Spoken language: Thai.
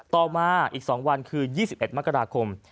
ต่อมาอีก๒วันคือ๒๑มกราคม